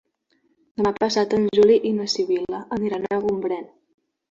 Demà passat en Juli i na Sibil·la aniran a Gombrèn.